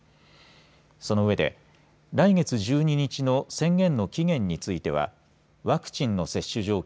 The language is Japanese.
その上で来月１２日の宣言の期限についてはワクチンの接種状況